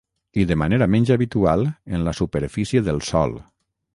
i de manera menys habitual en la superfície del sòl